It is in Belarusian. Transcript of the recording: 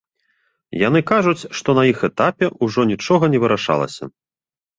Яны кажуць, што на іх этапе ўжо нічога не вырашалася.